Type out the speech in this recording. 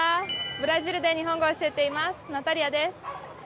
ブラジルで日本語を教えていますナタリアです。